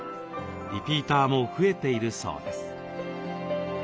リピーターも増えているそうです。